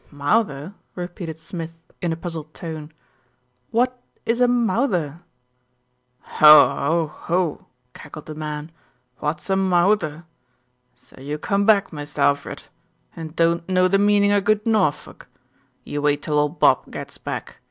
"Mawther," repeated Smith in a puzzled tone. "What is a mawther?" "Ho! ho! ho!" cackled the man. "What's a mawther? So you come back, Mist' Alfred, and don't know the meanin' o' good Norfolk. You wait till old Bob gets back.